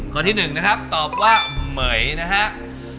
ข้อที่๑ตอบว่าเหม๋ยนะครับ